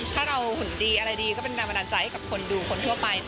ถ้าเราหุ่นดีอะไรดีก็เป็นแรงบันดาลใจให้กับคนดูคนทั่วไป